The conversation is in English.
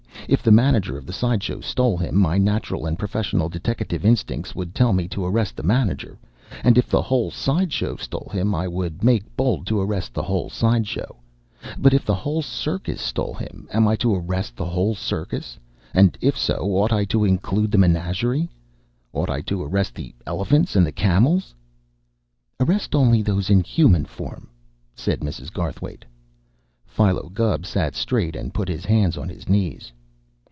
If the manager of the side show stole him, my natural and professional deteckative instincts would tell me to arrest the manager; and if the whole side show stole him I would make bold to arrest the whole side show; but if the whole circus stole him, am I to arrest the whole circus, and if so ought I to include the menagerie? Ought I to arrest the elephants and the camels?" "Arrest only those in human form," said Mrs. Garthwaite. Philo Gubb sat straight and put his hands on his knees.